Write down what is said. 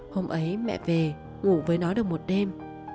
hôm ấy mẹ về ngủ với nó được một đêm